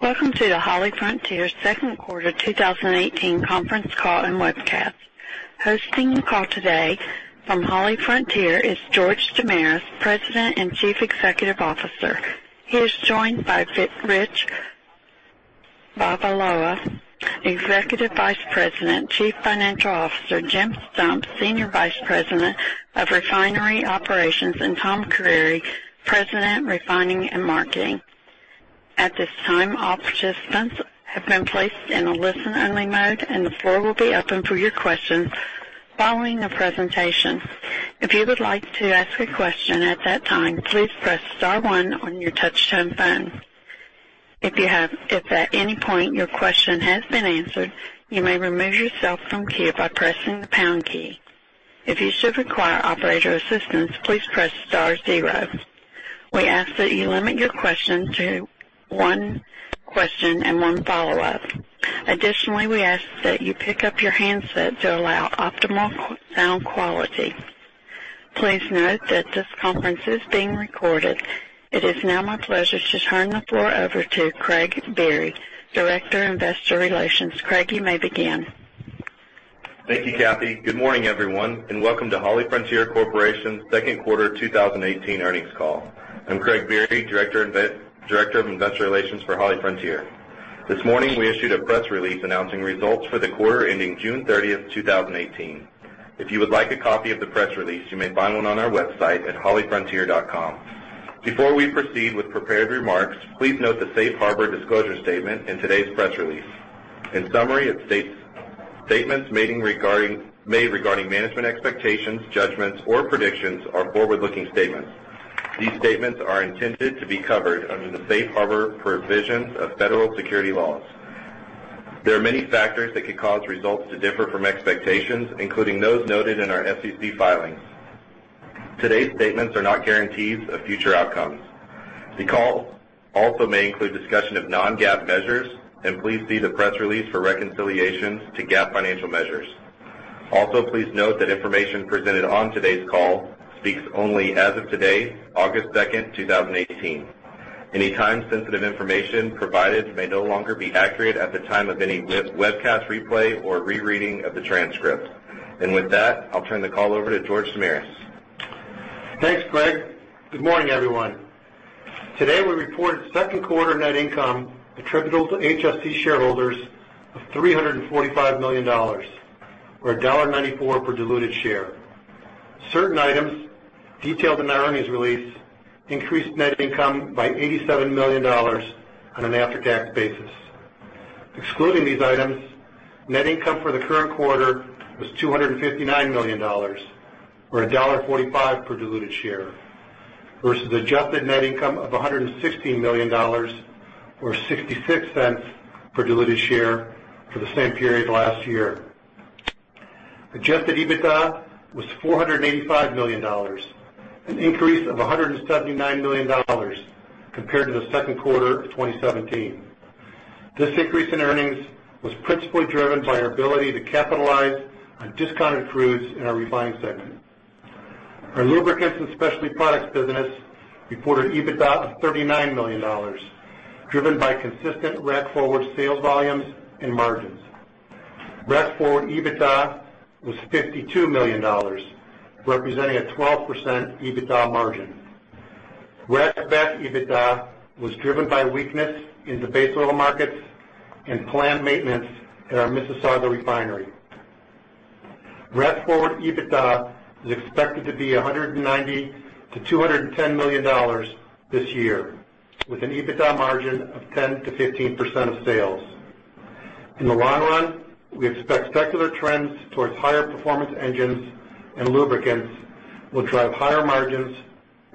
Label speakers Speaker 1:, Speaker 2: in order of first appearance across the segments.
Speaker 1: Welcome to the HollyFrontier second quarter 2018 conference call and webcast. Hosting the call today from HollyFrontier is George Damiris, President and Chief Executive Officer. He is joined by Rich Voliva, Executive Vice President, Chief Financial Officer, Jim Stump, Senior Vice President of Refinery Operations, and Tom Creery, President, Refining & Marketing. At this time, all participants have been placed in a listen-only mode. The floor will be open for your questions following the presentation. If you would like to ask a question at that time, please press star one on your touch-tone phone. If at any point your question has been answered, you may remove yourself from queue by pressing the pound key. If you should require operator assistance, please press star zero. We ask that you limit your question to one question and one follow-up. Additionally, we ask that you pick up your handset to allow optimal sound quality. Please note that this conference is being recorded. It is now my pleasure to turn the floor over to Craig Biery, Vice President, Investor Relations. Craig, you may begin.
Speaker 2: Thank you, Kathy. Good morning, everyone, and welcome to HollyFrontier Corporation second quarter 2018 earnings call. I'm Craig Biery, Vice President, Investor Relations for HollyFrontier. This morning, we issued a press release announcing results for the quarter ending June 30th, 2018. If you would like a copy of the press release, you may find one on our website at hollyfrontier.com. Before we proceed with prepared remarks, please note the safe harbor disclosure statement in today's press release. In summary, statements made regarding management expectations, judgments, or predictions are forward-looking statements. These statements are intended to be covered under the safe harbor provisions of federal securities laws. There are many factors that could cause results to differ from expectations, including those noted in our SEC filings. Today's statements are not guarantees of future outcomes. The call also may include discussion of non-GAAP measures. Please see the press release for reconciliations to GAAP financial measures. Also, please note that information presented on today's call speaks only as of today, August second, 2018. Any time-sensitive information provided may no longer be accurate at the time of any webcast replay or rereading of the transcript. With that, I'll turn the call over to George Damiris.
Speaker 3: Thanks, Craig Biery. Good morning, everyone. Today, we reported second quarter net income attributable to HFC shareholders of $345 million or $1.94 per diluted share. Certain items detailed in our earnings release increased net income by $87 million on an after-tax basis. Excluding these items, net income for the current quarter was $259 million or $1.45 per diluted share versus adjusted net income of $116 million or $0.66 per diluted share for the same period last year. Adjusted EBITDA was $485 million, an increase of $179 million compared to the second quarter of 2017. This increase in earnings was principally driven by our ability to capitalize on discounted crude in our refined segment. Our lubricants and specialty products business reported EBITDA of $39 million, driven by consistent rack forward sales volumes and margins. Rack forward EBITDA was $52 million, representing a 12% EBITDA margin. Rack back EBITDA was driven by weakness in the base oil markets and planned maintenance at our Mississauga refinery. Rack forward EBITDA is expected to be $190 million-$210 million this year, with an EBITDA margin of 10%-15% of sales. In the long run, we expect secular trends towards higher performance engines and lubricants will drive higher margins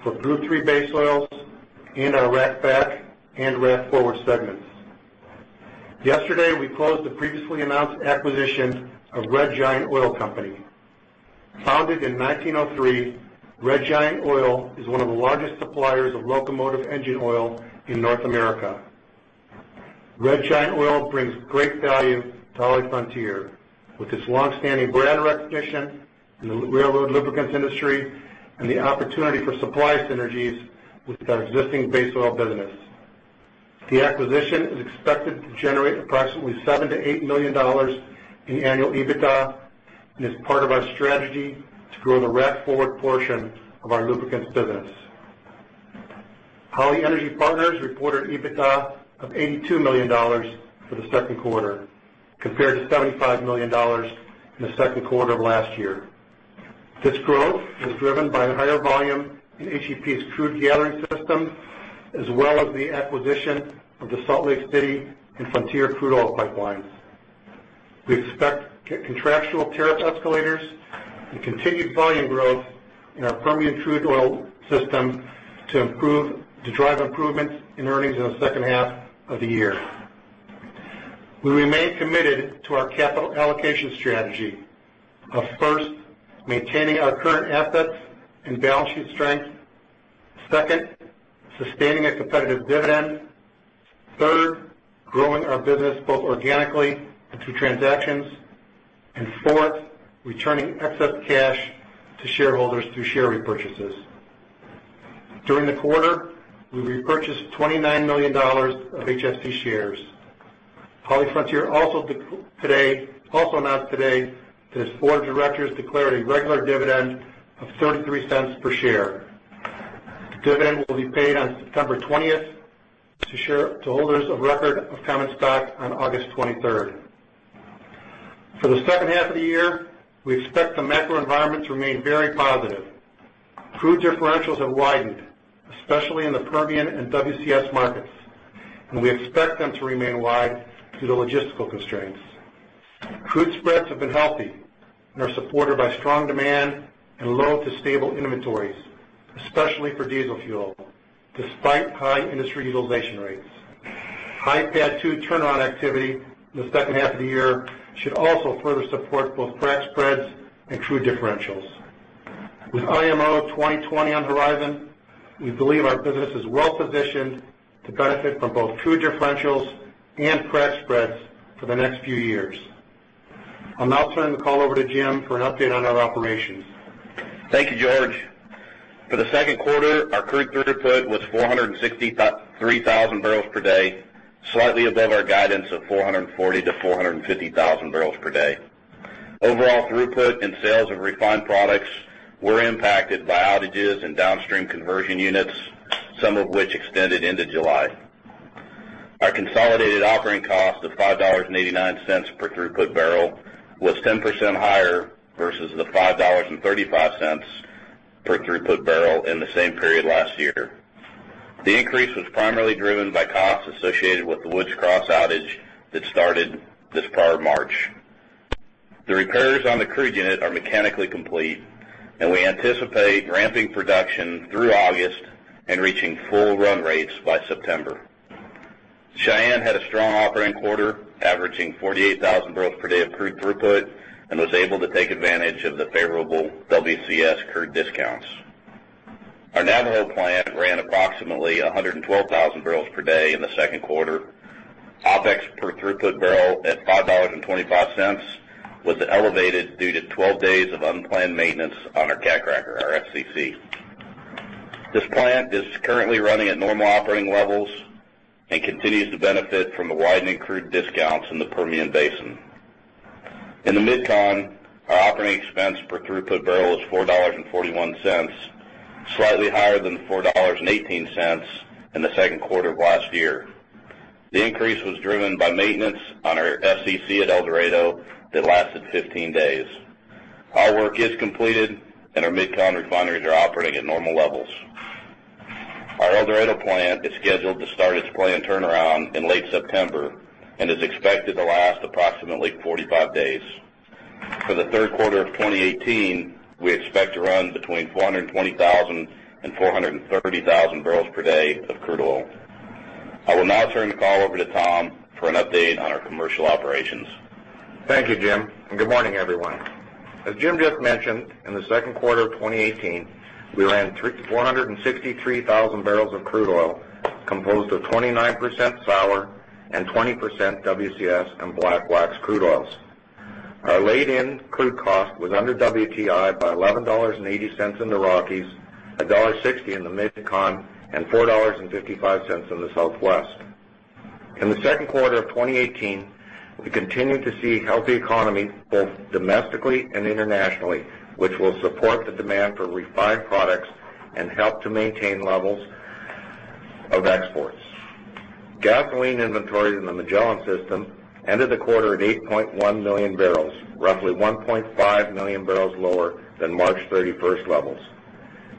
Speaker 3: for Group III base oils in our rack back and rack forward segments. Yesterday, we closed the previously announced acquisition of Red Giant Oil Company. Founded in 1903, Red Giant Oil is one of the largest suppliers of locomotive engine oil in North America. Red Giant Oil brings great value to HollyFrontier with its long-standing brand recognition in the railroad lubricants industry and the opportunity for supply synergies with our existing base oil business. The acquisition is expected to generate approximately $7 million-$8 million in annual EBITDA and is part of our strategy to grow the rack forward portion of our lubricants business. Holly Energy Partners reported EBITDA of $82 million for the second quarter, compared to $75 million in the second quarter of last year. This growth was driven by a higher volume in HEP's crude gathering system, as well as the acquisition of the Salt Lake City and Frontier crude oil pipelines. We expect contractual tariff escalators and continued volume growth in our Permian crude oil system to drive improvements in earnings in the second half of the year. We remain committed to our capital allocation strategy of first maintaining our current assets and balance sheet strength, second, sustaining a competitive dividend, third, growing our business both organically and through transactions. Fourth, returning excess cash to shareholders through share repurchases. During the quarter, we repurchased $29 million of HFC shares. HollyFrontier also announced today that its board of directors declared a regular dividend of $0.33 per share. The dividend will be paid on September 20th to holders of record of common stock on August 23rd. For the second half of the year, we expect the macro environment to remain very positive. Crude differentials have widened, especially in the Permian and WCS markets, and we expect them to remain wide due to logistical constraints. Crude spreads have been healthy and are supported by strong demand and low to stable inventories, especially for diesel fuel, despite high industry utilization rates. High PADD 2 turn-on activity in the second half of the year should also further support both crack spreads and crude differentials. With IMO 2020 on the horizon, we believe our business is well-positioned to benefit from both crude differentials and crack spreads for the next few years. I will now turn the call over to Jim for an update on our operations.
Speaker 4: Thank you, George. For the second quarter, our crude throughput was 463,000 barrels per day, slightly above our guidance of 440,000 to 450,000 barrels per day. Overall throughput and sales of refined products were impacted by outages in downstream conversion units, some of which extended into July. Our consolidated operating cost of $5.89 per throughput barrel was 10% higher versus the $5.35 per throughput barrel in the same period last year. The increase was primarily driven by costs associated with the Woods Cross outage that started this prior March. The repairs on the crude unit are mechanically complete, and we anticipate ramping production through August and reaching full run rates by September. Cheyenne had a strong operating quarter, averaging 48,000 barrels per day of crude throughput, and was able to take advantage of the favorable WCS crude discounts. Our Navajo plant ran approximately 112,000 barrels per day in the second quarter. OPEX per throughput barrel at $5.25 was elevated due to 12 days of unplanned maintenance on our cat cracker, our FCC. This plant is currently running at normal operating levels and continues to benefit from the widening crude discounts in the Permian Basin. In the MidCon, our operating expense per throughput barrel was $4.41, slightly higher than $4.18 in the second quarter of last year. The increase was driven by maintenance on our FCC at El Dorado that lasted 15 days. All work is completed, and our MidCon refineries are operating at normal levels. Our El Dorado plant is scheduled to start its planned turnaround in late September and is expected to last approximately 45 days. For the third quarter of 2018, we expect to run between 420,000 and 430,000 barrels per day of crude oil. I will now turn the call over to Tom for an update on our commercial operations.
Speaker 5: Thank you, Jim. Good morning, everyone. As Jim just mentioned, in the second quarter of 2018, we ran 463,000 barrels of crude oil, composed of 29% sour and 20% WCS and black wax crude oils. Our laid-in crude cost was under WTI by $11.80 in the Rockies, $1.60 in the MidCon, and $4.55 in the Southwest. In the second quarter of 2018, we continued to see a healthy economy both domestically and internationally, which will support the demand for refined products and help to maintain levels of exports. Gasoline inventories in the Magellan system ended the quarter at 8.1 million barrels, roughly 1.5 million barrels lower than March 31st levels.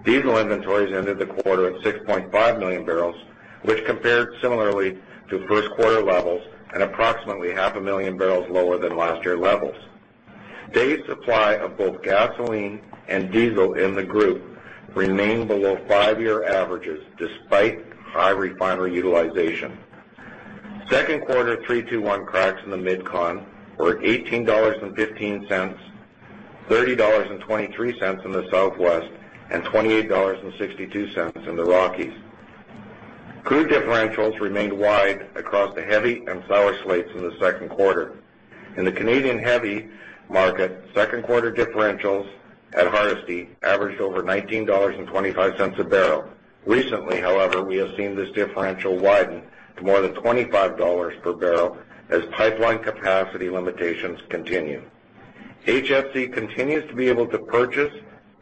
Speaker 5: Diesel inventories ended the quarter at 6.5 million barrels, which compared similarly to first quarter levels and approximately half a million barrels lower than last year levels. Day supply of both gasoline and diesel in the group remained below five-year averages despite high refinery utilization. Second quarter 3-2-1 cracks in the MidCon were at $18.15, $30.23 in the Southwest, and $28.62 in the Rockies. Crude differentials remained wide across the heavy and sour slates in the second quarter. In the Canadian heavy market, second quarter differentials at Hardisty averaged over $19.25 a barrel. Recently, however, we have seen this differential widen to more than $25 per barrel as pipeline capacity limitations continue. HFC continues to be able to purchase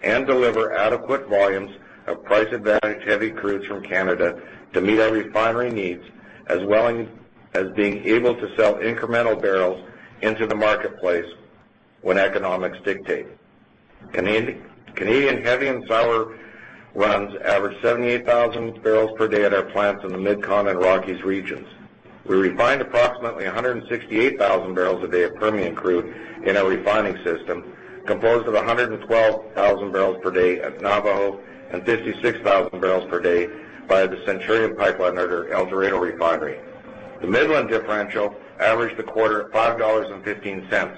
Speaker 5: and deliver adequate volumes of price-advantaged heavy crudes from Canada to meet our refinery needs, as well as being able to sell incremental barrels into the marketplace when economics dictate. Canadian heavy and sour runs averaged 78,000 barrels per day at our plants in the MidCon and Rockies regions. We refined approximately 168,000 barrels a day of Permian crude in our refining system, composed of 112,000 barrels per day at Navajo and 56,000 barrels per day via the Centurion Pipeline at our El Dorado refinery. The Midland differential averaged the quarter at $5.15.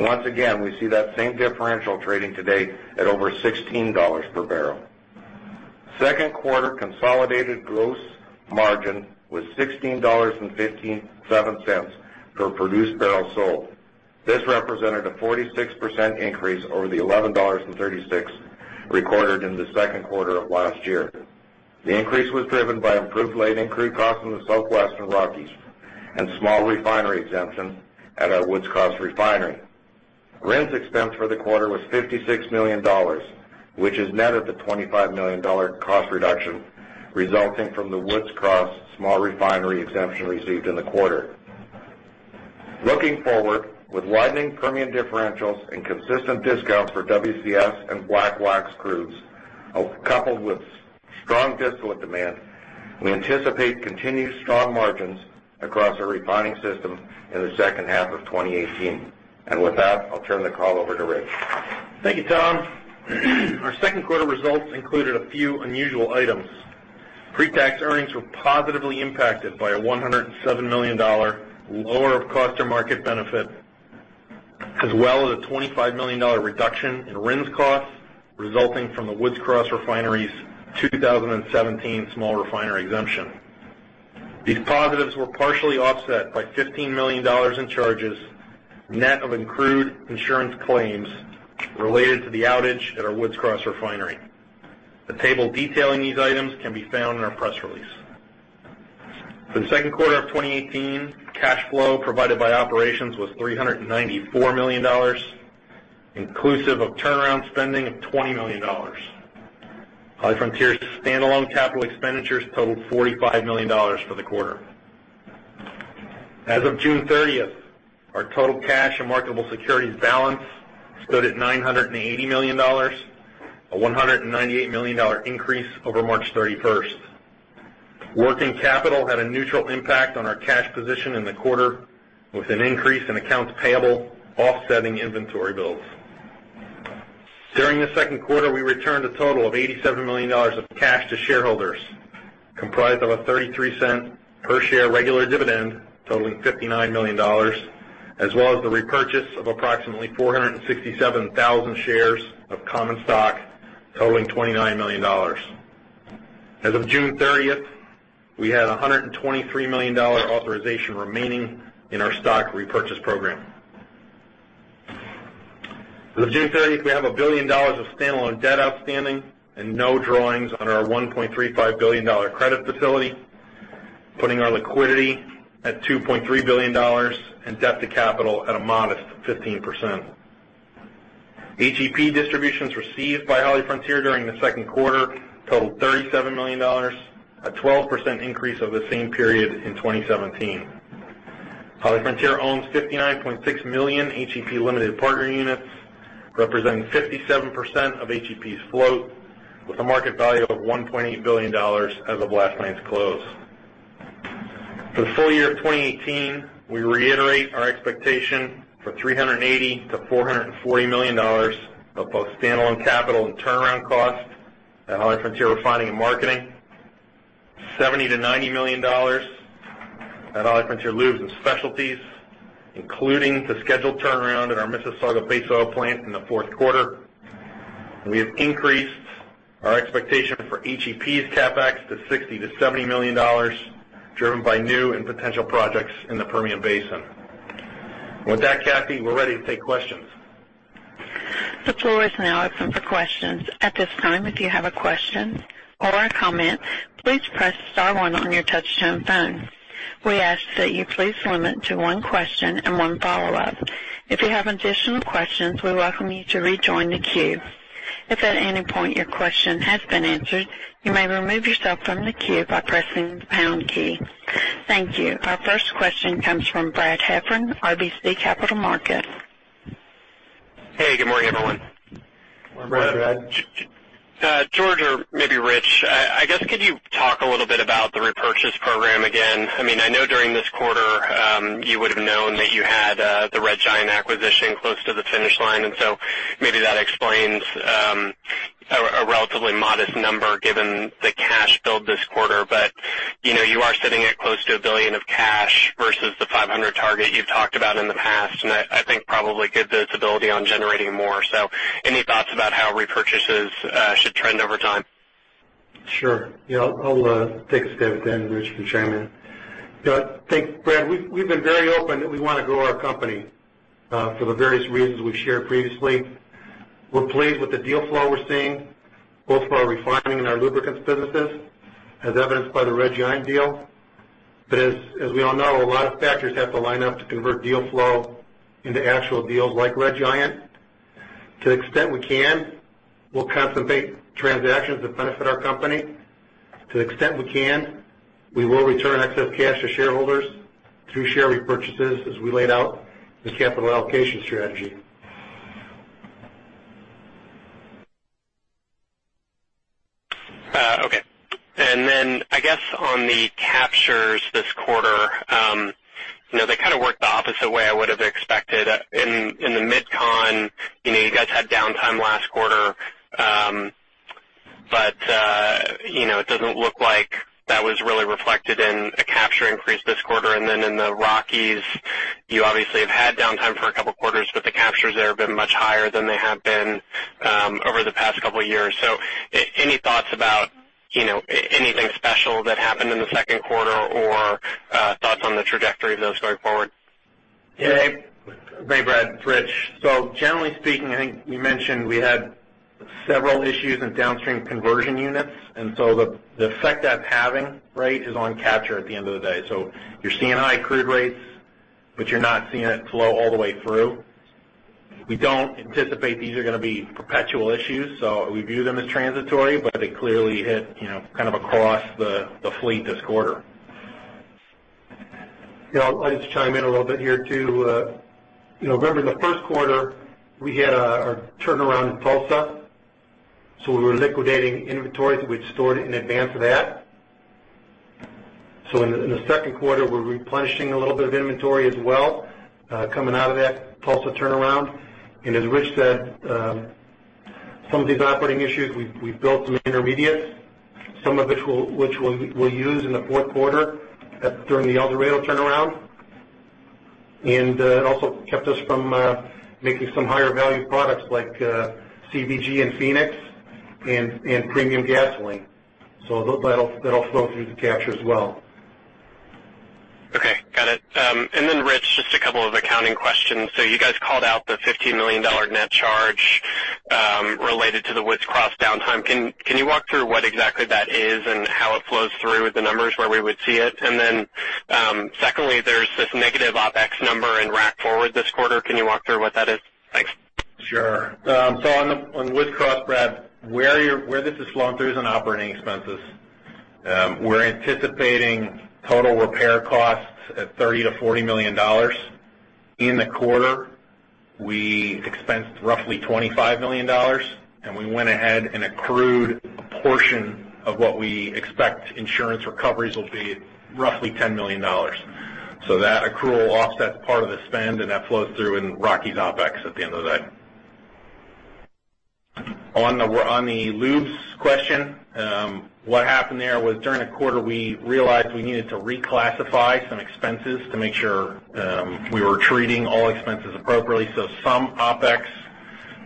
Speaker 5: Once again, we see that same differential trading today at over $16 per barrel. Second quarter consolidated gross margin was $16.57 per produced barrel sold. This represented a 46% increase over the $11.36 recorded in the second quarter of last year. The increase was driven by improved laid-in crude costs in the Southwest and Rockies and small refinery exemption at our Woods Cross Refinery. RINs expense for the quarter was $56 million, which is net of the $25 million cost reduction resulting from the Woods Cross small refinery exemption received in the quarter. Looking forward, with widening premium differentials and consistent discounts for WCS and black wax crudes, coupled with strong distillate demand, we anticipate continued strong margins across our refining system in the second half of 2018. With that, I'll turn the call over to Rich.
Speaker 6: Thank you, Tom. Our second quarter results included a few unusual items. Pre-tax earnings were positively impacted by a $107 million lower cost of market benefit, as well as a $25 million reduction in RINs costs resulting from the Woods Cross Refinery's 2017 small refinery exemption. These positives were partially offset by $15 million in charges, net of accrued insurance claims related to the outage at our Woods Cross Refinery. The table detailing these items can be found in our press release. For the second quarter of 2018, cash flow provided by operations was $394 million, inclusive of turnaround spending of $20 million. HollyFrontier's standalone capital expenditures totaled $45 million for the quarter. As of June 30th, our total cash and marketable securities balance stood at $980 million, a $198 million increase over March 31st. Working capital had a neutral impact on our cash position in the quarter, with an increase in accounts payable offsetting inventory builds. During the second quarter, we returned a total of $87 million of cash to shareholders, comprised of a $0.33 per share regular dividend totaling $59 million, as well as the repurchase of approximately 467,000 shares of common stock, totaling $29 million. As of June 30th, we had $123 million authorization remaining in our stock repurchase program. As of June 30th, we have $1 billion of standalone debt outstanding and no drawings on our $1.35 billion credit facility, putting our liquidity at $2.3 billion and debt to capital at a modest 15%. HEP distributions received by HollyFrontier during the second quarter totaled $37 million, a 12% increase over the same period in 2017. HollyFrontier owns 59.6 million HEP limited partner units, representing 57% of HEP's float, with a market value of $1.8 billion as of last night's close. For the full year of 2018, we reiterate our expectation for $380 million-$440 million of both standalone capital and turnaround costs at HollyFrontier Refining & Marketing, $70 million-$90 million at HollyFrontier Lubricants & Specialties, including the scheduled turnaround at our Mississauga base oil plant in the fourth quarter. We have increased our expectation for HEP's CapEx to $60 million-$70 million, driven by new and potential projects in the Permian Basin. With that, Kathy, we're ready to take questions.
Speaker 1: The floor is now open for questions. At this time, if you have a question or a comment, please press *1 on your touchtone phone. We ask that you please limit to one question and one follow-up. If you have additional questions, we welcome you to rejoin the queue. If at any point your question has been answered, you may remove yourself from the queue by pressing the # key. Thank you. Our first question comes from Brad Heffern, RBC Capital Markets.
Speaker 7: Hey, good morning, everyone.
Speaker 3: Morning, Brad.
Speaker 7: George or maybe Rich, I guess could you talk a little bit about the repurchase program again? I know during this quarter, you would've known that you had the Red Giant acquisition close to the finish line. Maybe that explains a relatively modest number given the cash build this quarter. You are sitting at close to $1 billion of cash versus the $500 target you've talked about in the past, and I think probably gives us ability on generating more. Any thoughts about how repurchases should trend over time?
Speaker 3: Sure. I'll take a stab at that, and then Rich can chime in. I think, Brad, we've been very open that we want to grow our company for the various reasons we've shared previously. We're pleased with the deal flow we're seeing, both for our refining and our lubricants businesses, as evidenced by the Red Giant deal. As we all know, a lot of factors have to line up to convert deal flow into actual deals like Red Giant. To the extent we can, we'll contemplate transactions that benefit our company. To the extent we can, we will return excess cash to shareholders through share repurchases as we laid out the capital allocation strategy.
Speaker 7: Okay. I guess on the captures this quarter, they worked the opposite way I would've expected. In the MidCon, you guys had downtime last quarter. It doesn't look like that was really reflected in a capture increase this quarter. In the Rockies, you obviously have had downtime for a couple of quarters, but the captures there have been much higher than they have been over the past couple of years. Any thoughts about anything special that happened in the second quarter or on the trajectory of those going forward?
Speaker 6: Yeah. Hey, Brad. Rich. Generally speaking, I think we mentioned we had several issues in downstream conversion units, the effect that's having, right, is on capture at the end of the day. You're seeing high crude rates, you're not seeing it flow all the way through. We don't anticipate these are going to be perpetual issues, we view them as transitory, they clearly hit across the fleet this quarter.
Speaker 3: Yeah, I'll just chime in a little bit here too. Remember in the first quarter, we had our turnaround in Tulsa, we were liquidating inventories that we'd stored in advance of that. In the second quarter, we're replenishing a little bit of inventory as well, coming out of that Tulsa turnaround. As Rich said, some of these operating issues, we've built some intermediates, some of which we'll use in the fourth quarter during the El Dorado turnaround. It also kept us from making some higher value products like CBG and Phoenix and premium gasoline. That'll flow through to capture as well.
Speaker 7: Okay, got it. Rich, just a couple of accounting questions. You guys called out the $15 million net charge related to the Woods Cross downtime. Can you walk through what exactly that is and how it flows through the numbers where we would see it? Secondly, there's this negative OpEx number in rack forward this quarter. Can you walk through what that is? Thanks.
Speaker 6: Sure. On the Woods Cross, Brad, where this is flowing through is in operating expenses. We're anticipating total repair costs at $30 million-$40 million. In the quarter, we expensed roughly $25 million, and we went ahead and accrued a portion of what we expect insurance recoveries will be at roughly $10 million. That accrual offsets part of the spend and that flows through in Rockies OpEx at the end of the day. On the lubes question, what happened there was during the quarter, we realized we needed to reclassify some expenses to make sure we were treating all expenses appropriately. Some OpEx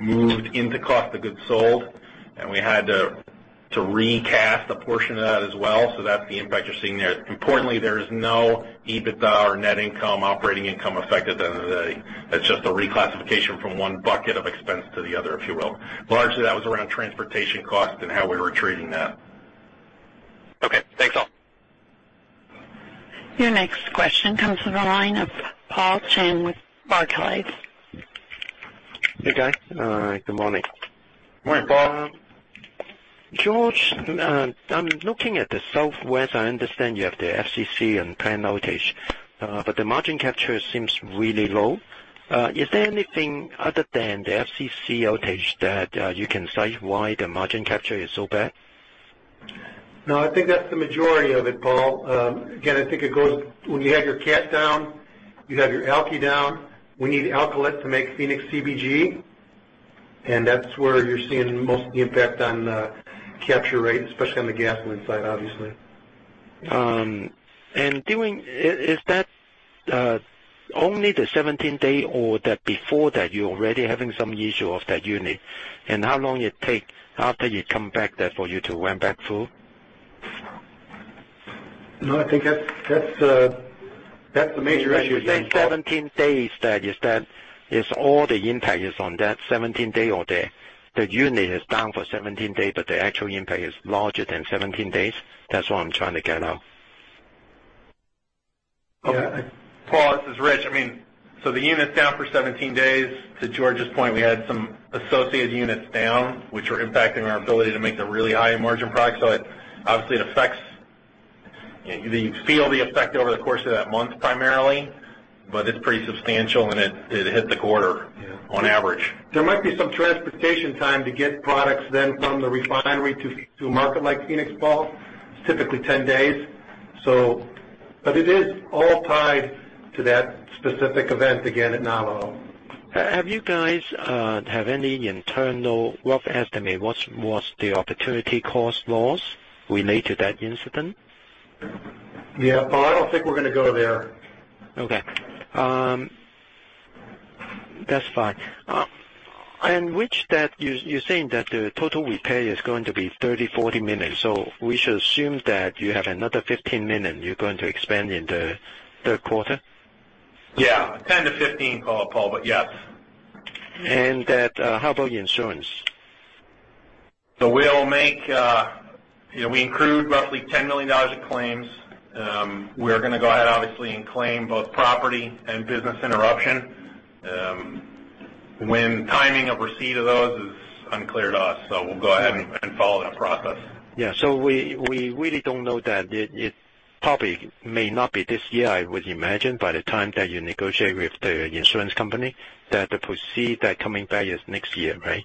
Speaker 6: moved into cost of goods sold, and we had to recast a portion of that as well. That's the impact you're seeing there. Importantly, there is no EBITDA or net income, operating income effect at the end of the day. That's just a reclassification from one bucket of expense to the other, if you will. Largely, that was around transportation cost and how we were treating that.
Speaker 7: Okay, thanks all.
Speaker 1: Your next question comes from the line of Paul Cheng with Barclays.
Speaker 8: Hey, guys. Good morning.
Speaker 6: Good morning, Paul.
Speaker 8: George, I'm looking at the Southwest. I understand you have the FCC and plant outage, but the margin capture seems really low. Is there anything other than the FCC outage that you can cite why the margin capture is so bad?
Speaker 3: No, I think that's the majority of it, Paul. Again, I think it goes when you have your cat down, you have your alky down. We need alkylate to make Phoenix CBG, and that's where you're seeing most of the impact on the capture rate, especially on the gasoline side, obviously.
Speaker 8: Is that only the 17-day or that before that you're already having some issue of that unit? And how long it take after you come back there for you to ramp back full?
Speaker 3: No, I think that's the major issue there, Paul.
Speaker 8: When you say 17 days, that is all the impact is on that 17 day or there. The unit is down for 17 days, but the actual impact is larger than 17 days. That's what I'm trying to get at.
Speaker 6: Paul, this is Rich. The unit's down for 17 days. To George's point, we had some associated units down, which were impacting our ability to make the really high margin product. Obviously, you feel the effect over the course of that month primarily, but it's pretty substantial, and it hit the quarter on average.
Speaker 3: There might be some transportation time to get products then from the refinery to a market like Phoenix, Paul. It's typically 10 days. It is all tied to that specific event again at Navajo.
Speaker 8: Have you guys have any internal rough estimate what's the opportunity cost loss related to that incident?
Speaker 3: Yeah, Paul, I don't think we're going to go there.
Speaker 8: Okay. That's fine. Rich, that you're saying that the total repair is going to be 30 million, 40 million. We should assume that you have another 15 million you're going to expand in the third quarter?
Speaker 6: Yeah. 10-15, Paul, but yes.
Speaker 8: How about the insurance?
Speaker 6: We accrued roughly $10 million of claims. We're going to go ahead obviously and claim both property and business interruption. When timing of receipt of those is unclear to us, so we'll go ahead and follow that process.
Speaker 8: Yeah. We really don't know that. It probably may not be this year, I would imagine, by the time that you negotiate with the insurance company that the proceed that coming back is next year, right?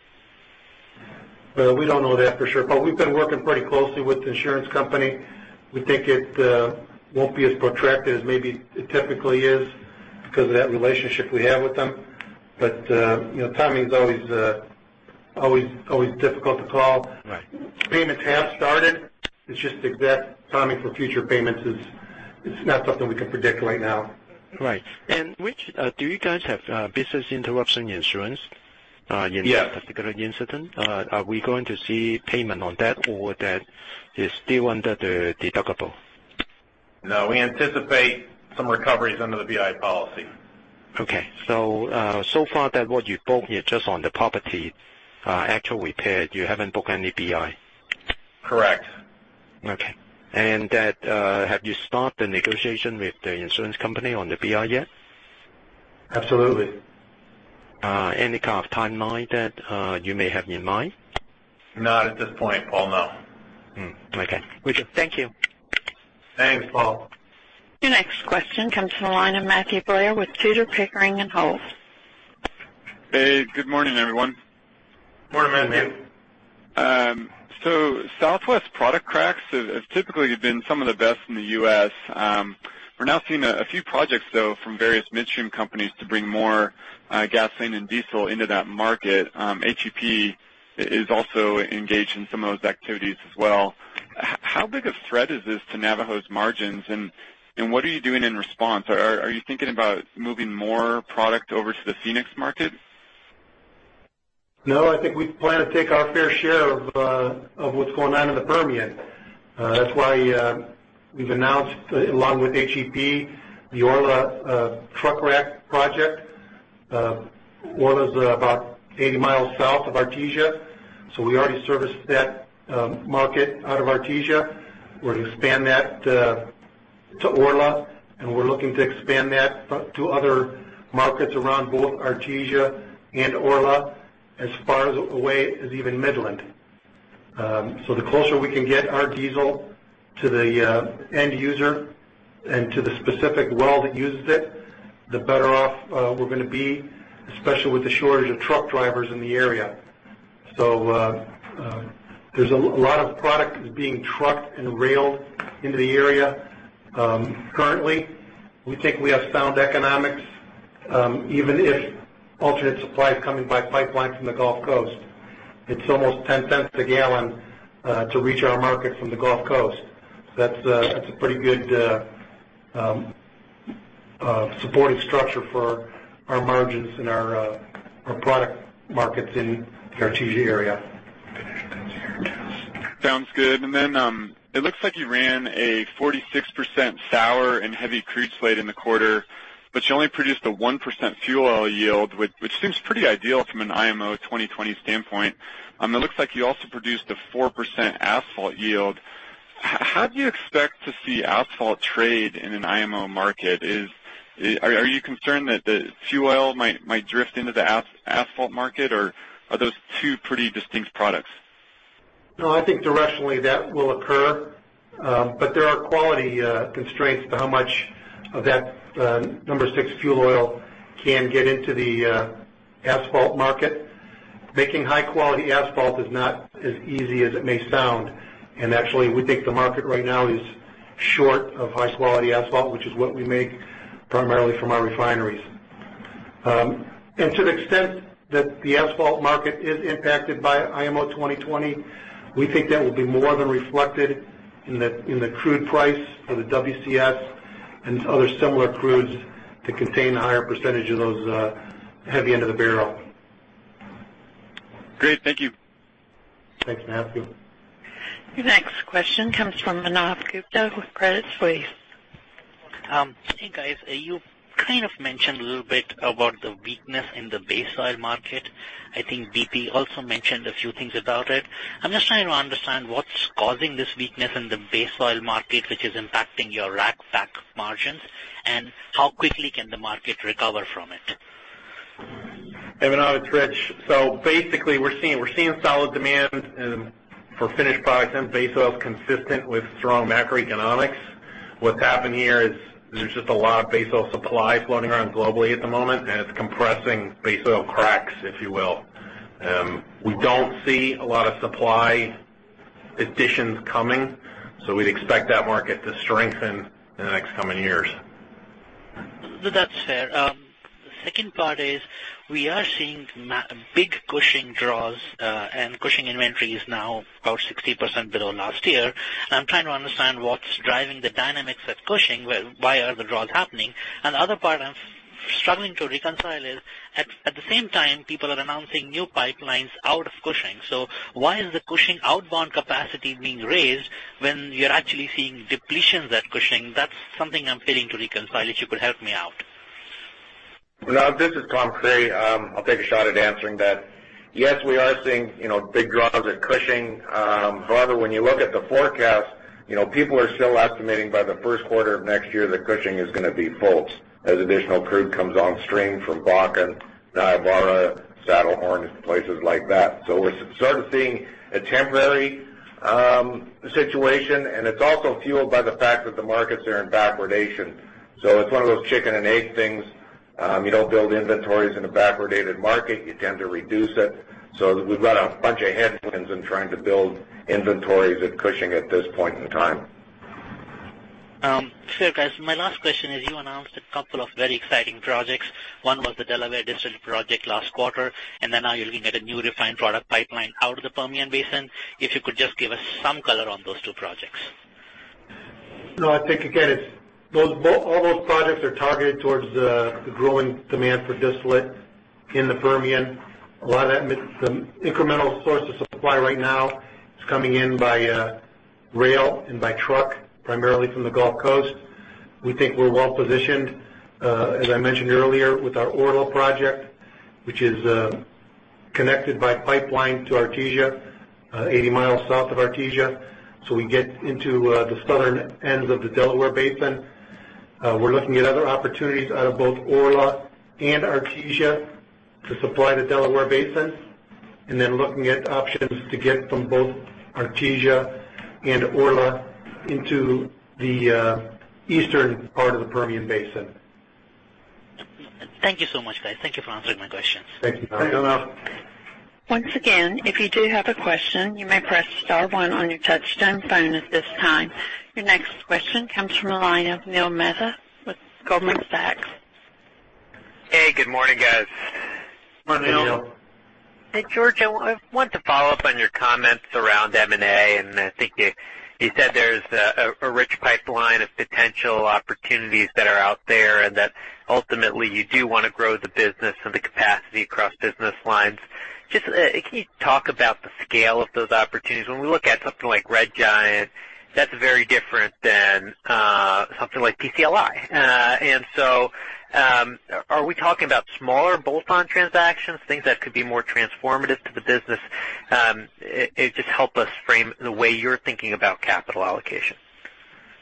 Speaker 3: Well, we don't know that for sure, Paul. We've been working pretty closely with the insurance company. We think it won't be as protracted as maybe it typically is because of that relationship we have with them. Timing is always difficult to call.
Speaker 8: Right.
Speaker 3: Payments have started. It's just the exact timing for future payments is not something we can predict right now.
Speaker 8: Right. Do you guys have business interruption insurance-
Speaker 6: Yes
Speaker 8: in this particular incident? Are we going to see payment on that or that is still under the deductible?
Speaker 6: No, we anticipate some recoveries under the BI policy.
Speaker 8: Okay. So far that what you've booked here, just on the property actual repair, you haven't booked any BI?
Speaker 6: Correct.
Speaker 8: Okay. Have you started the negotiation with the insurance company on the BI yet?
Speaker 6: Absolutely.
Speaker 8: Any kind of timeline that you may have in mind?
Speaker 6: Not at this point, Paul, no.
Speaker 8: Okay. Richard, thank you.
Speaker 6: Thanks, Paul.
Speaker 1: Your next question comes from the line of Matthew Blair with Tudor, Pickering, Holt.
Speaker 9: Hey, good morning, everyone.
Speaker 5: Morning, Matthew.
Speaker 9: Southwest product cracks have typically been some of the best in the U.S. We're now seeing a few projects, though, from various midstream companies to bring more gasoline and diesel into that market. HEP is also engaged in some of those activities as well. How big a threat is this to Navajo's margins, and what are you doing in response? Are you thinking about moving more product over to the Phoenix market?
Speaker 3: I think we plan to take our fair share of what's going on in the Permian. That's why we've announced, along with HEP, the Orla truck rack project. Orla's about 80 miles south of Artesia, we already service that market out of Artesia. We're to expand that to Orla, and we're looking to expand that to other markets around both Artesia and Orla, as far away as even Midland. The closer we can get our diesel to the end user and to the specific well that uses it, the better off we're going to be, especially with the shortage of truck drivers in the area. There's a lot of product that's being trucked and railed into the area. Currently, we think we have sound economics, even if alternate supply is coming by pipeline from the Gulf Coast. It's almost $0.10 a gallon to reach our market from the Gulf Coast. That's a pretty good supporting structure for our margins and our product markets in the Artesia area.
Speaker 9: Sounds good. It looks like you ran a 46% sour and heavy crude slate in the quarter, but you only produced a 1% fuel oil yield, which seems pretty ideal from an IMO 2020 standpoint. It looks like you also produced a 4% asphalt yield. How do you expect to see asphalt trade in an IMO market? Are you concerned that the fuel oil might drift into the asphalt market, or are those two pretty distinct products?
Speaker 3: No, I think directionally that will occur. There are quality constraints to how much of that number 6 fuel oil can get into the asphalt market. Making high-quality asphalt is not as easy as it may sound. Actually, we think the market right now is short of high-quality asphalt, which is what we make primarily from our refineries. To the extent that the asphalt market is impacted by IMO 2020, we think that will be more than reflected in the crude price for the WCS and other similar crudes that contain a higher percentage of those heavy end of the barrel.
Speaker 9: Great. Thank you.
Speaker 3: Thanks, Matthew.
Speaker 1: Your next question comes from Manav Gupta with Credit Suisse.
Speaker 10: Hey, guys. You kind of mentioned a little bit about the weakness in the base oil market. I think BP also mentioned a few things about it. I'm just trying to understand what's causing this weakness in the base oil market, which is impacting your rack back margins, and how quickly can the market recover from it?
Speaker 6: Hey, Manav, it's Rich. Basically, we're seeing solid demand for finished products and base oils consistent with strong macroeconomics. What's happened here is there's just a lot of base oil supply floating around globally at the moment, and it's compressing base oil cracks, if you will. We don't see a lot of supply additions coming, we'd expect that market to strengthen in the next coming years.
Speaker 10: That's fair. The second part is we are seeing big Cushing draws, and Cushing inventory is now about 60% below last year. I'm trying to understand what's driving the dynamics at Cushing. Why are the draws happening? The other part I'm struggling to reconcile is at the same time, people are announcing new pipelines out of Cushing. Why is the Cushing outbound capacity being raised when you're actually seeing depletions at Cushing? That's something I'm failing to reconcile. If you could help me out.
Speaker 5: Manav, this is Tom Creery. I'll take a shot at answering that. Yes, we are seeing big draws at Cushing. However, when you look at the forecast, people are still estimating by the first quarter of next year that Cushing is going to be full as additional crude comes on stream from Bakken, Niobrara, Saddlehorn, places like that. We're sort of seeing a temporary situation, and it's also fueled by the fact that the markets are in backwardation. It's one of those chicken and egg things. You don't build inventories in a backwardated market. You tend to reduce it. We've got a bunch of headwinds in trying to build inventories at Cushing at this point in time.
Speaker 10: Sure, guys. My last question is, you announced a couple of very exciting projects. One was the Delaware Basin project last quarter, now you're looking at a new refined product pipeline out of the Permian Basin. If you could just give us some color on those two projects.
Speaker 3: No, I think again, all those projects are targeted towards the growing demand for distillate in the Permian. A lot of that incremental source of supply right now is coming in by rail and by truck, primarily from the Gulf Coast. We think we're well-positioned, as I mentioned earlier, with our Orla project, which is connected by pipeline to Artesia, 80 miles south of Artesia. We get into the southern ends of the Delaware Basin. We're looking at other opportunities out of both Orla and Artesia to supply the Delaware Basin, looking at options to get from both Artesia and Orla into the eastern part of the Permian Basin.
Speaker 10: Thank you so much, guys. Thank you for answering my questions.
Speaker 3: Thank you, Tom. Thank you.
Speaker 1: Once again, if you do have a question, you may press star one on your touchtone phone at this time. Your next question comes from the line of Neil Mehta with Goldman Sachs.
Speaker 11: Hey, good morning, guys.
Speaker 3: Morning, Neil.
Speaker 5: Morning, Neil.
Speaker 11: Hey, George, I want to follow up on your comments around M&A. I think you said there's a rich pipeline of potential opportunities that are out there, and that ultimately you do want to grow the business and the capacity across business lines. Just, can you talk about the scale of those opportunities? When we look at something like Red Giant, that's very different than something like PCLI. Are we talking about smaller bolt-on transactions, things that could be more transformative to the business? Just help us frame the way you're thinking about capital allocation.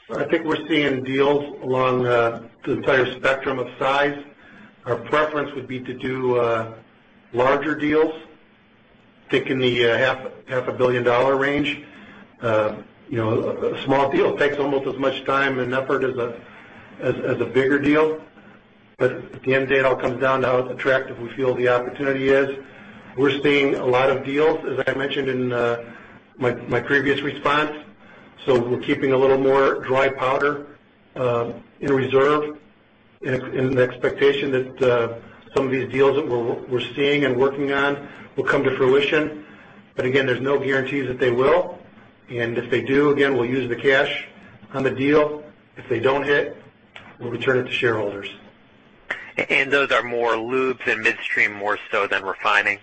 Speaker 3: I think we're seeing deals along the entire spectrum of size. Our preference would be to do larger deals, think in the half a billion dollar range. A small deal takes almost as much time and effort as a bigger deal. At the end of the day, it all comes down to how attractive we feel the opportunity is. We're seeing a lot of deals, as I mentioned in my previous response, so we're keeping a little more dry powder in reserve in the expectation that some of these deals that we're seeing and working on will come to fruition. Again, there's no guarantees that they will, and if they do, again, we'll use the cash on the deal. If they don't hit, we'll return it to shareholders.
Speaker 11: Those are more lubes and midstream more so than refining,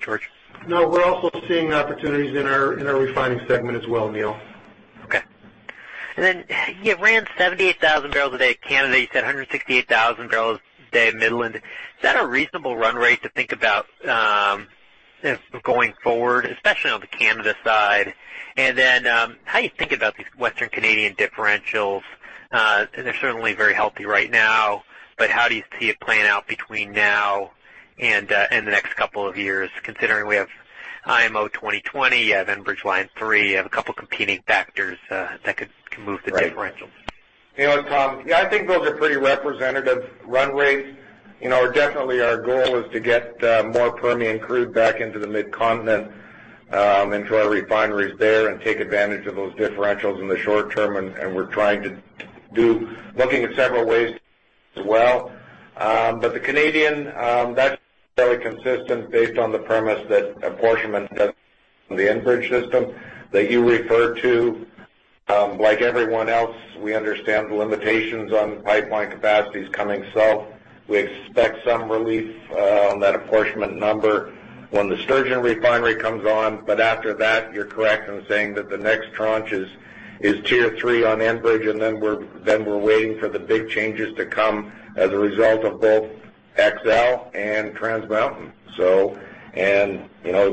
Speaker 11: George?
Speaker 3: No, we're also seeing opportunities in our refining segment as well, Neil.
Speaker 11: Okay. You ran 78,000 barrels a day at Canada. You said 168,000 barrels a day at Midland. Is that a reasonable run rate to think about going forward, especially on the Canada side? How are you thinking about these Western Canadian differentials? They're certainly very healthy right now, but how do you see it playing out between now and the next couple of years, considering we have IMO 2020, you have Enbridge Line 3, you have a couple competing factors that could move the differentials?
Speaker 5: Right. Tom, yeah, I think those are pretty representative run rates. Definitely our goal is to get more Permian crude back into the Mid-Continent into our refineries there and take advantage of those differentials in the short term. We're trying to do looking at several ways as well. The Canadian, that's very consistent based on the premise that apportionment doesn't the Enbridge system that you referred to. Like everyone else, we understand the limitations on pipeline capacities coming south. We expect some relief on that apportionment number when the Sturgeon Refinery comes on. After that, you're correct in saying that the next tranche is tier 3 on Enbridge, and then we're waiting for the big changes to come as a result of both XL and Trans Mountain.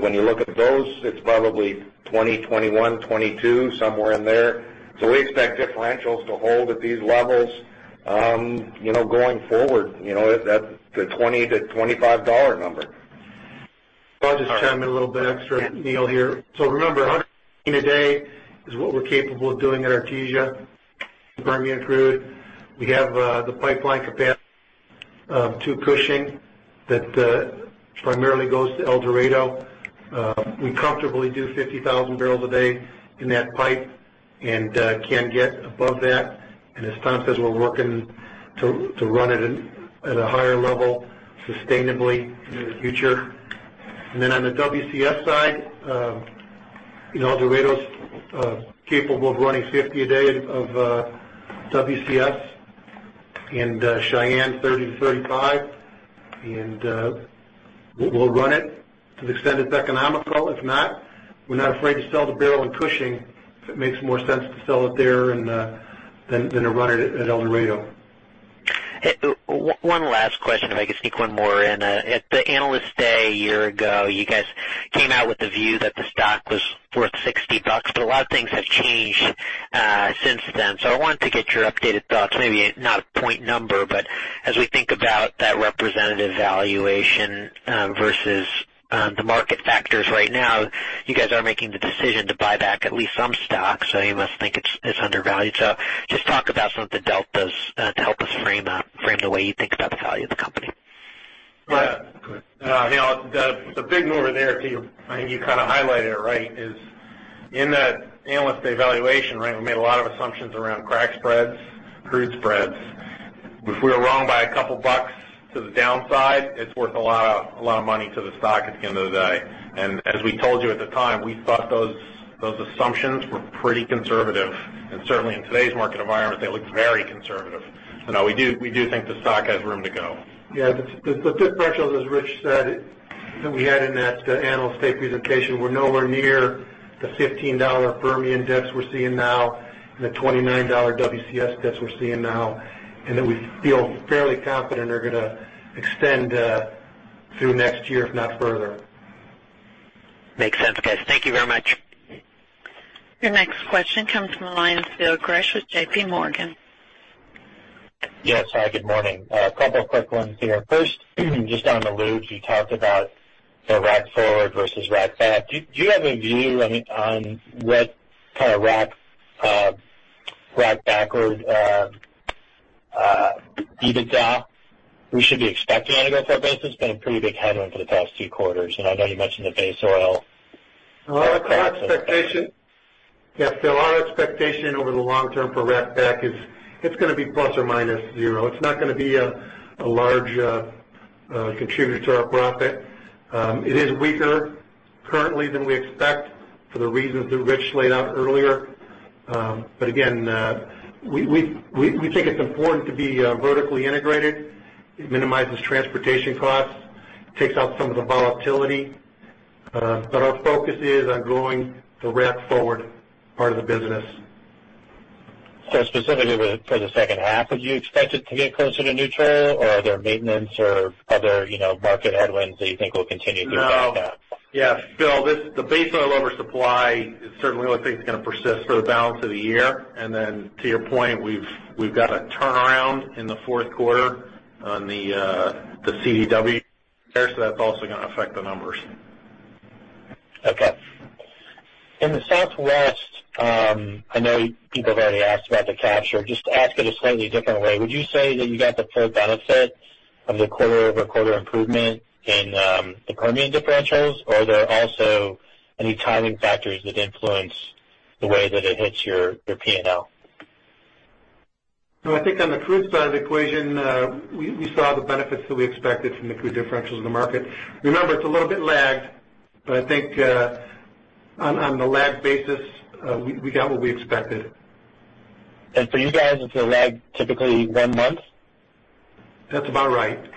Speaker 5: When you look at those, it's probably 2020, 2021, 2022, somewhere in there. We expect differentials to hold at these levels going forward, at the $20-$25 number.
Speaker 3: I'll just chime in a little bit extra, Neil, here. Remember, 115 a day is what we're capable of doing at Artesia. Permian crude, we have the pipeline capacity to Cushing that primarily goes to El Dorado. We comfortably do 50,000 barrels a day in that pipe and can get above that. As Tom says, we're working to run it at a higher level sustainably in the future. On the WCS side, El Dorado's capable of running 50 a day of WCS and Cheyenne 30-35. We'll run it to the extent it's economical. If not, we're not afraid to sell the barrel in Cushing if it makes more sense to sell it there than to run it at El Dorado.
Speaker 11: One last question, if I could sneak one more in. At the Analyst Day a year ago, you guys came out with the view that the stock was worth $60, a lot of things have changed since then. I wanted to get your updated thoughts, maybe not a point number, but as we think about that representative valuation versus the market factors right now. You guys are making the decision to buy back at least some stock, you must think it's undervalued. Just talk about some of the deltas to help us frame the way you think about the value of the company.
Speaker 3: Go ahead.
Speaker 6: The big mover there too, I think you highlighted it right, is in that Analyst Day valuation, we made a lot of assumptions around crack spreads, crude spreads. If we're wrong by a couple of bucks to the downside, it's worth a lot of money to the stock at the end of the day. As we told you at the time, we thought those assumptions were pretty conservative, and certainly in today's market environment, they look very conservative. No, we do think the stock has room to go.
Speaker 3: Yeah. The differentials, as Rich said, that we had in that analyst statement presentation were nowhere near the $15 Permian dips we're seeing now and the $29 WCS dips we're seeing now, that we feel fairly confident are going to extend through next year, if not further.
Speaker 11: Makes sense, guys. Thank you very much.
Speaker 1: Your next question comes from the line of Phil Gresh with J.P. Morgan.
Speaker 12: Yes. Hi, good morning. A couple of quick ones here. First, just on the lubes, you talked about the rack forward versus rack back. Do you have a view on what kind of rack back EBITDA we should be expecting on a go-forward basis? It's been a pretty big headwind for the past two quarters, and I know you mentioned the base oil.
Speaker 3: Phil, our expectation over the long term for rack back is it's going to be ±0. It's not going to be a large contributor to our profit. It is weaker currently than we expect for the reasons that Rich laid out earlier. Again, we think it's important to be vertically integrated. It minimizes transportation costs, takes out some of the volatility. Our focus is on growing the rack forward part of the business.
Speaker 12: Specifically for the second half, would you expect it to get closer to neutral? Or are there maintenance or other market headwinds that you think will continue through that?
Speaker 6: No. Phil, the base oil oversupply certainly looks like it's going to persist for the balance of the year. To your point, we've got a turnaround in the fourth quarter on the CDW there, so that's also going to affect the numbers.
Speaker 12: Okay. In the Southwest, I know people have already asked about the capture. Just to ask it a slightly different way, would you say that you got the full benefit of the quarter-over-quarter improvement in the Permian differentials? Or are there also any timing factors that influence the way that it hits your P&L?
Speaker 3: No, I think on the crude side of the equation, we saw the benefits that we expected from the crude differentials in the market. Remember, it's a little bit lagged, but I think on the lagged basis, we got what we expected.
Speaker 12: For you guys, it's a lag typically one month?
Speaker 3: That's about right.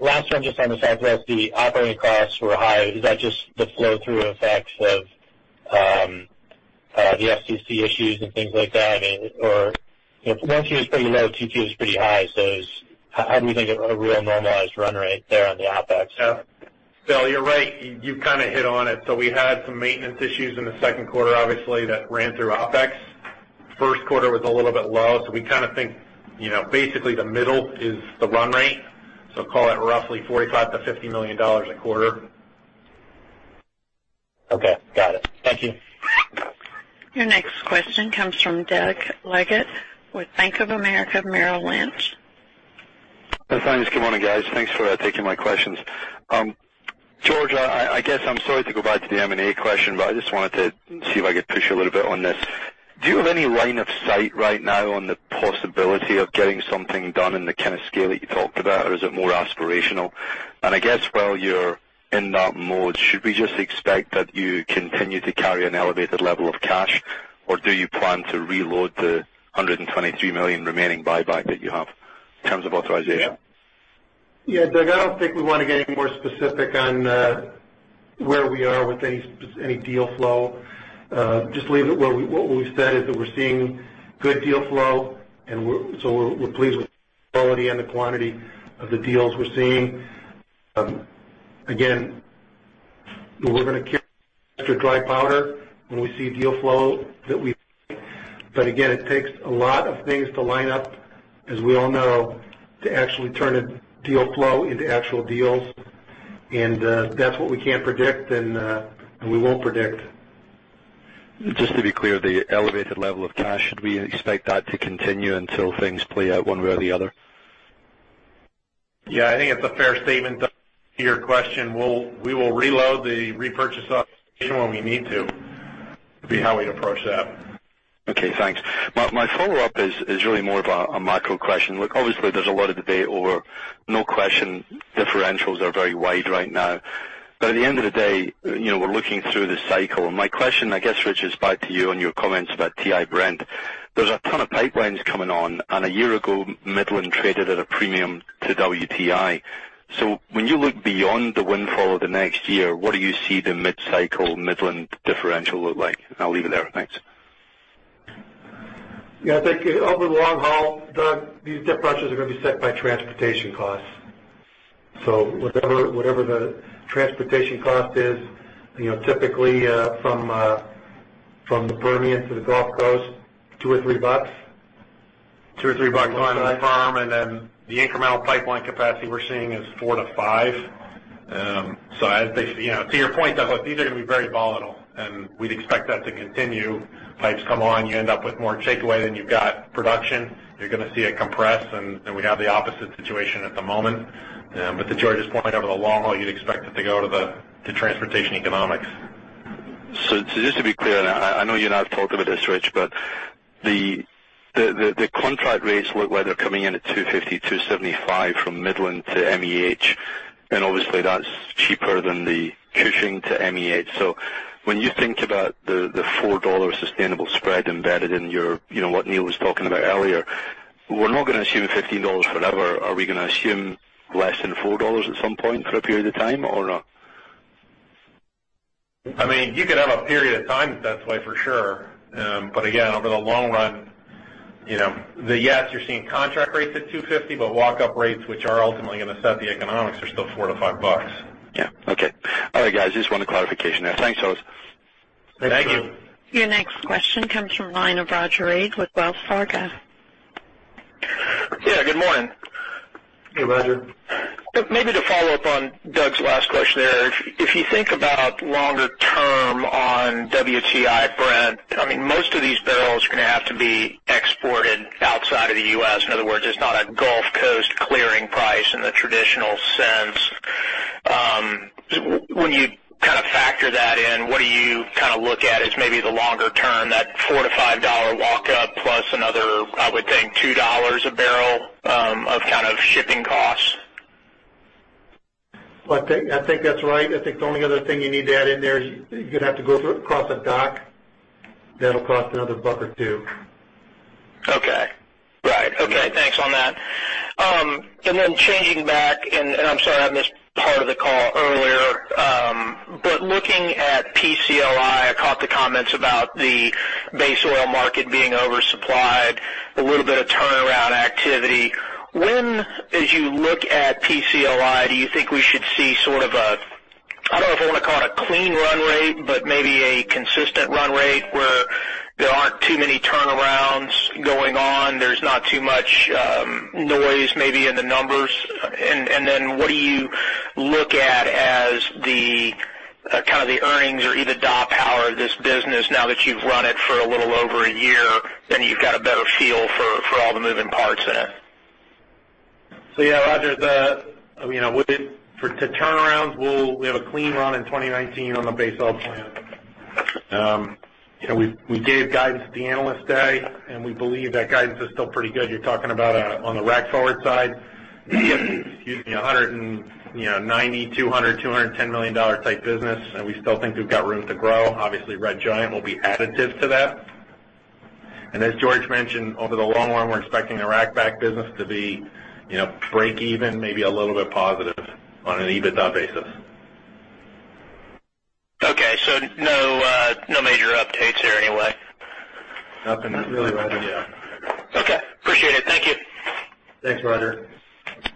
Speaker 12: Last one, just on the Southwest, the operating costs were high. Is that just the flow-through effects of the FCC issues and things like that? If Q1 is pretty low, Q2 is pretty high. How do we think of a real normalized run rate there on the OpEx?
Speaker 6: Phil, you're right. You've hit on it. We had some maintenance issues in the second quarter, obviously, that ran through OpEx. First quarter was a little bit low, we think basically the middle is the run rate. Call it roughly $45 million-$50 million a quarter.
Speaker 12: Okay, got it. Thank you.
Speaker 1: Your next question comes from Doug Leggate with Bank of America Merrill Lynch.
Speaker 13: Thanks. Good morning, guys. Thanks for taking my questions. George, I guess I'm sorry to go back to the M&A question. I just wanted to see if I could push a little bit on this. Do you have any line of sight right now on the possibility of getting something done in the scale that you talked about? Is it more aspirational? I guess while you're in that mode, should we just expect that you continue to carry an elevated level of cash? Do you plan to reload the $123 million remaining buyback that you have in terms of authorization?
Speaker 3: Yeah, Doug, I don't think we want to get any more specific on where we are with any deal flow. Just leave it where we said, is that we're seeing good deal flow. We're pleased with the quality and the quantity of the deals we're seeing. We're going to keep the dry powder when we see deal flow that we like. It takes a lot of things to line up, as we all know, to actually turn deal flow into actual deals. That's what we can't predict, and we won't predict.
Speaker 13: Just to be clear, the elevated level of cash, should we expect that to continue until things play out one way or the other?
Speaker 6: Yeah, I think it's a fair statement, Doug, to your question. We will reload the repurchase authorization when we need to. It'd be how we'd approach that.
Speaker 13: Okay, thanks. My follow-up is really more of a macro question. Look, obviously, there's a lot of debate over, no question, differentials are very wide right now. At the end of the day, we're looking through the cycle. My question, I guess, Rich, is back to you on your comments about WTI-Brent. There's a ton of pipelines coming on, and one year ago, Midland traded at a premium to WTI. When you look beyond the windfall of the next year, what do you see the mid-cycle Midland differential look like? I'll leave it there. Thanks.
Speaker 3: Yeah, thank you. Over the long haul, Doug, these differentials are going to be set by transportation costs. Whatever the transportation cost is, typically from the Permian to the Gulf Coast, $2 or $3.
Speaker 6: Two or three bucks line on the farm, then the incremental pipeline capacity we're seeing is $4-$5. To your point, Doug, look, these are going to be very volatile, and we'd expect that to continue. Pipes come on, you end up with more takeaway than you've got production, you're going to see it compress, and we have the opposite situation at the moment. To George's point, over the long haul, you'd expect it to go to transportation economics.
Speaker 13: Just to be clear, and I know you and I have talked about this, Rich, the contract rates look like they're coming in at $2.50, $2.75 From Midland to MEH. Obviously, that's cheaper than the Cushing to MEH. When you think about the $4 sustainable spread embedded in what Neil was talking about earlier, we're not going to assume $15 forever. Are we going to assume less than $4 at some point for a period of time or no?
Speaker 6: You could have a period of time that's why for sure. Again, over the long run, yes, you're seeing contract rates at $2.50 walk-up rates, which are ultimately going to set the economics, are still $4-$5.
Speaker 13: Okay. All right, guys. Just wanted clarification there. Thanks, fellas.
Speaker 6: Thank you.
Speaker 3: Thank you.
Speaker 1: Your next question comes from the line of Roger Read with Wells Fargo.
Speaker 14: Yeah. Good morning.
Speaker 3: Hey, Roger.
Speaker 14: Maybe to follow up on Doug's last question there. If you think about longer term on WTI, Brent, most of these barrels are going to have to be exported outside of the U.S. In other words, it's not a Gulf Coast clearing price in the traditional sense. When you factor that in, what do you look at as maybe the longer term, that $4-$5 walk up plus another, I would think, $2 a barrel of shipping costs?
Speaker 3: I think that's right. I think the only other thing you need to add in there, you'd have to go through across a dock. That'll cost another $1 or $2.
Speaker 14: Okay. Right. Okay. Thanks on that. Then changing back, I'm sorry, I missed part of the call earlier. Looking at PCLI, I caught the comments about the base oil market being oversupplied, a little bit of turnaround activity. When, as you look at PCLI, do you think we should see sort of a, I don't know if I want to call it clean run rate, but maybe a consistent run rate where there aren't too many turnarounds going on, there's not too much noise maybe in the numbers? And then what do you look at as the earnings or EBITDA power of this business now that you've run it for a little over a year, and you've got a better feel for all the moving parts in it?
Speaker 6: Roger, to turnarounds, we have a clean run in 2019 on the base oil plant. We gave guidance at the Analyst Day, we believe that guidance is still pretty good. You're talking about on the rack forward side, excuse me, $190 million, $200 million, $210 million type business, we still think we've got room to grow. Obviously, Red Giant Oil will be additive to that. As George mentioned, over the long run, we're expecting the rack back business to be breakeven, maybe a little bit positive on an EBITDA basis.
Speaker 14: Okay. No major updates here anyway?
Speaker 3: Nothing really, Roger.
Speaker 6: Yeah.
Speaker 14: Okay. Appreciate it. Thank you.
Speaker 3: Thanks, Roger Read.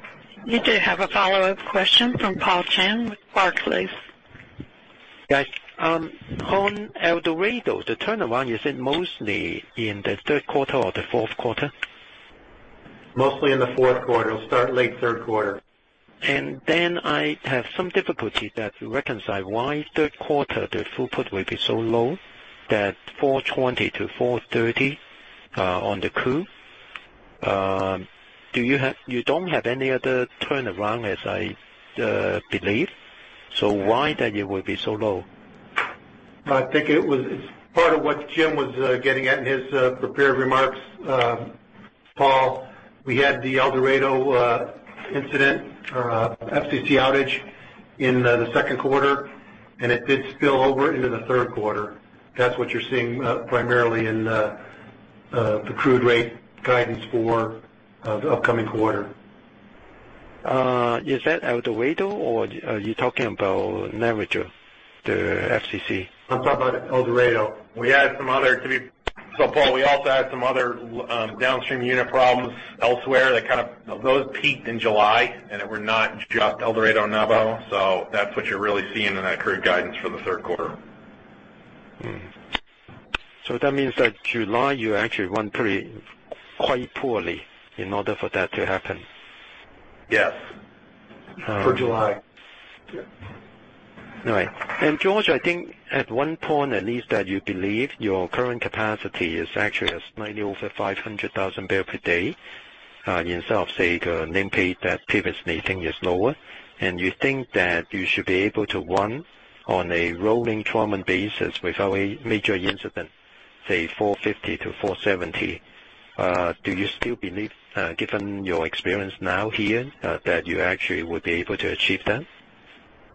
Speaker 1: You do have a follow-up question from Paul Cheng with Barclays.
Speaker 8: Yes. On El Dorado, the turnaround, is it mostly in the third quarter or the fourth quarter?
Speaker 3: Mostly in the fourth quarter. It'll start late third quarter.
Speaker 8: I have some difficulty to reconcile why third quarter the throughput will be so low, that 420-430 on the crude. You don't have any other turnaround, as I believe. Why that it will be so low?
Speaker 3: I think it was part of what Jim was getting at in his prepared remarks. Paul, we had the El Dorado incident, SEC outage in the second quarter, and it did spill over into the third quarter. That's what you're seeing primarily in the crude rate guidance for the upcoming quarter.
Speaker 8: Is that El Dorado, or are you talking about Navajo, the SEC?
Speaker 3: I'm talking about El Dorado.
Speaker 6: Paul, we also had some other downstream unit problems elsewhere. Those peaked in July, and they were not just El Dorado and Navajo. That's what you're really seeing in that crude guidance for the third quarter.
Speaker 8: That means that July, you actually run pretty quite poorly in order for that to happen.
Speaker 6: Yes.
Speaker 3: For July.
Speaker 8: All right. George, I think at one point, at least that you believe your current capacity is actually slightly over 500,000 barrel per day. Instead of, say, the nameplate that previous meaning is lower. You think that you should be able to run on a rolling, 12-month basis without a major incident, say 450 to 470. Do you still believe, given your experience now here, that you actually would be able to achieve that?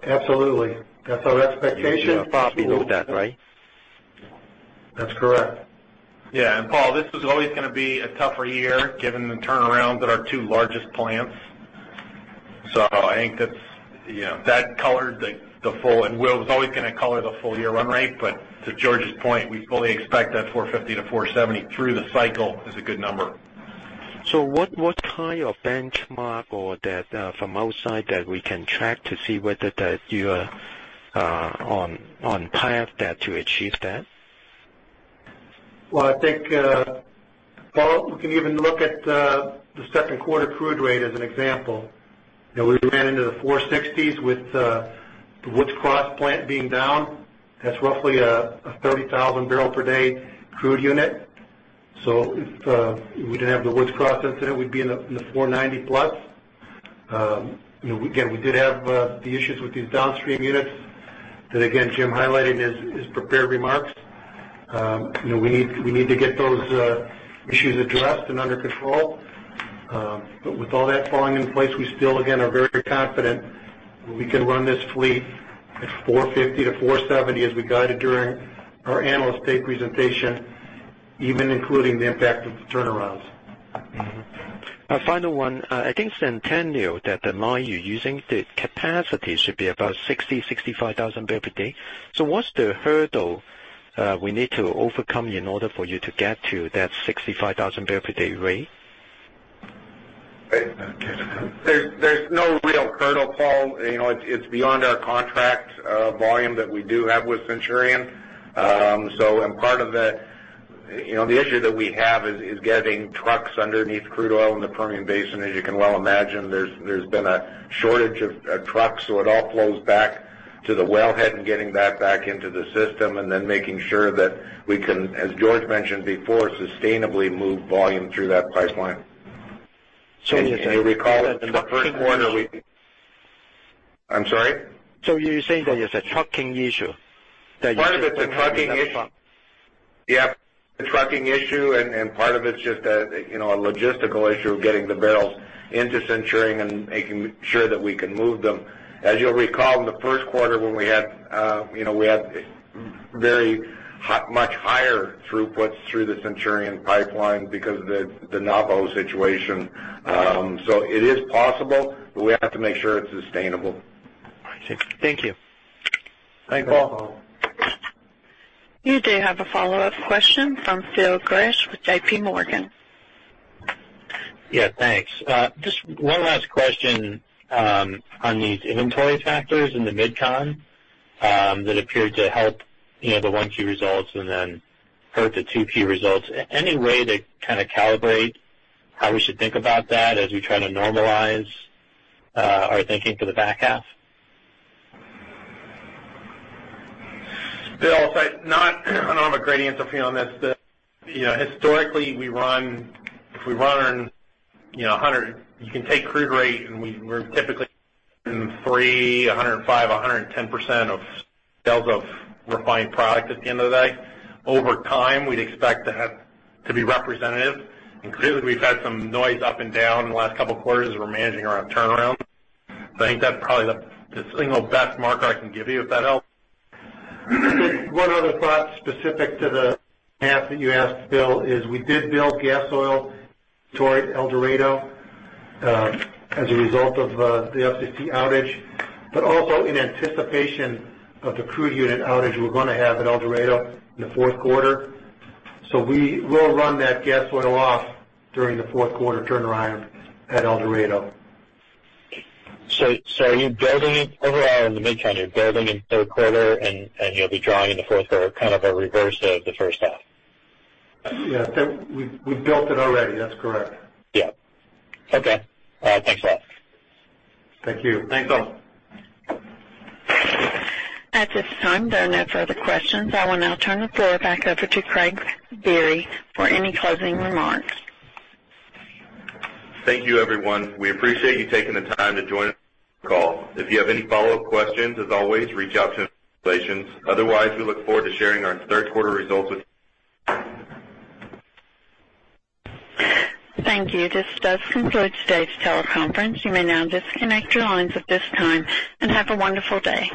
Speaker 3: Absolutely. That's our expectation.
Speaker 8: You are probably with that, right?
Speaker 3: That's correct.
Speaker 6: Yeah. Paul, this was always going to be a tougher year given the turnaround at our two largest plants. I think that will always going to color the full year run rate, to George's point, we fully expect that $450 to $470 through the cycle is a good number.
Speaker 8: What kind of benchmark or that from outside that we can track to see whether that you are on path to achieve that?
Speaker 3: Well, I think, Paul Cheng, we can even look at the second quarter crude rate as an example. We ran into the 460s with the Woods Cross plant being down. That's roughly a 30,000 barrel per day crude unit. If we didn't have the Woods Cross incident, we'd be in the 490+. Again, we did have the issues with these downstream units that, again, Jim Stump highlighted in his prepared remarks. We need to get those issues addressed and under control. With all that falling in place, we still, again, are very confident we can run this fleet at 450-470 as we guided during our Analyst Day Presentation, even including the impact of the turnarounds.
Speaker 8: A final one. I think Centurion, that the margin using the capacity should be about 60,000-65,000 barrel per day. What's the hurdle we need to overcome in order for you to get to that 65,000 barrel per day rate?
Speaker 5: There's no real hurdle, Paul Cheng. It's beyond our contract volume that we do have with Centurion. Part of the issue that we have is getting trucks underneath crude oil in the Permian Basin. As you can well imagine, there's been a shortage of trucks, it all flows back to the wellhead and getting that back into the system, making sure that we can, as George Damiris mentioned before, sustainably move volume through that pipeline.
Speaker 8: you're saying that there's a trucking issue.
Speaker 5: I'm sorry?
Speaker 8: you're saying that it's a trucking issue that you
Speaker 5: Part of it's a trucking issue. Yeah, a trucking issue, and part of it's just a logistical issue of getting the barrels into Centurion and making sure that we can move them. As you'll recall, in the first quarter, when we had very much higher throughputs through the Centurion Pipeline because of the Navajo situation. It is possible, but we have to make sure it's sustainable.
Speaker 8: Thank you.
Speaker 5: Thanks, Paul.
Speaker 1: You do have a follow-up question from Phil Gresh with J.P. Morgan.
Speaker 12: Yeah, thanks. Just one last question on these inventory factors in the Mid-Con that appeared to help the 1Q results and then hurt the 2Q results. Any way to kind of calibrate how we should think about that as we try to normalize our thinking for the back half?
Speaker 6: Phil, I don't have a great answer for you on this. Historically, if we run on 100, you can take crude rate, and we're typically in 3, 105, 110% of sales of refined product at the end of the day. Over time, we'd expect that to be representative. Clearly, we've had some noise up and down in the last couple of quarters as we're managing around turnarounds. I think that's probably the single best marker I can give you, if that helps.
Speaker 3: One other thought specific to the math that you asked, Phil, is we did build gas oil toward El Dorado as a result of the SEC outage, but also in anticipation of the crude unit outage we're going to have at El Dorado in the fourth quarter. We will run that gas oil off during the fourth quarter turnaround at El Dorado.
Speaker 12: Are you building it overall in the Mid-Con? You're building in third quarter and you'll be drawing in the fourth or kind of a reverse of the first half?
Speaker 3: Yeah. We've built it already. That's correct.
Speaker 12: Yeah. Okay. Thanks a lot.
Speaker 6: Thank you. Thanks, Phil.
Speaker 1: At this time, there are no further questions. I will now turn the floor back over to Craig Biery for any closing remarks.
Speaker 2: Thank you, everyone. We appreciate you taking the time to join us on this call. If you have any follow-up questions, as always, reach out to relations. Otherwise, we look forward to sharing our third quarter results with you.
Speaker 1: Thank you. This does conclude today's teleconference. You may now disconnect your lines at this time, and have a wonderful day.